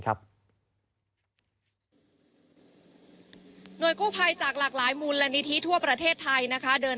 หน่วยกู้ภัยจากหลากหลายมูลนิธิทั่วประเทศไทยนะคะ